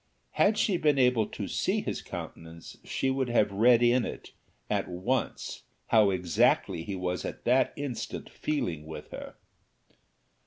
Had she been able to see his countenance, she would have read in it at once how exactly he was at that instant feeling with her.